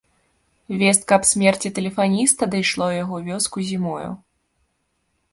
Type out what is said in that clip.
Вестка аб смерці тэлефаніста дайшла ў яго вёску зімою.